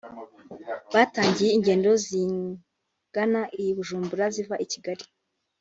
batangije ingendo zigana i Bujumbura ziva i Kigali